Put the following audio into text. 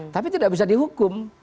tapi tidak bisa dihukum